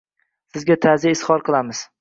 Sizga ta’ziya izhor qilamiz.